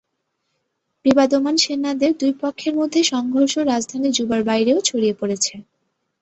বিবদমান সেনাদের দুই পক্ষের মধ্যে সংঘর্ষ রাজধানী জুবার বাইরেও ছড়িয়ে পড়েছে।